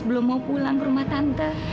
belum mau pulang ke rumah tante